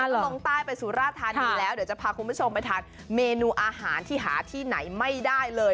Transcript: ลงใต้ไปสุราธานีแล้วเดี๋ยวจะพาคุณผู้ชมไปทานเมนูอาหารที่หาที่ไหนไม่ได้เลย